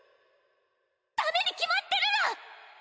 ダメに決まってるら！